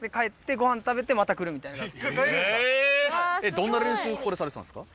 どんな練習をここでされてたんですか？